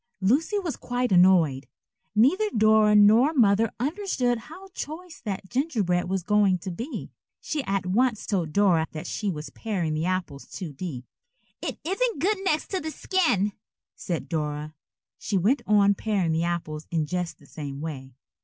Lucy was quite annoyed. Neither Dora nor Mother understood how choice that gingerbread was going to be. She at once told Dora that she was paring the apples too deep. "It isn't good next to the skin," said Dora, and she went on paring the apples in just the same way.